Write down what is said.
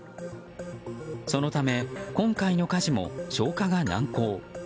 そのため今回の火事も消火が難航。